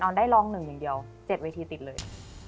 ได้ร้อง๑อย่างเดียว๗เวทีติดเลย